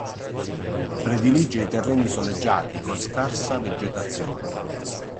Predilige i terreni soleggiati con scarsa vegetazione.